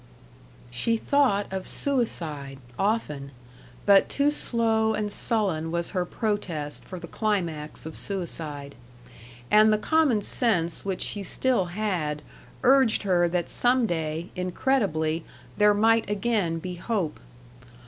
She thought of suicide, often, but too slow and sullen was her protest for the climax of suicide. And the common sense which she still had urged her that some day, incredibly, there might again be hope.